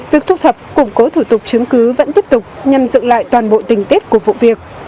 việc thu thập củng cố thủ tục chứng cứ vẫn tiếp tục nhằm dựng lại toàn bộ tình tiết của vụ việc